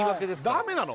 ダメなの？